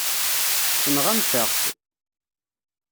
Tenɣamt-aɣ-t.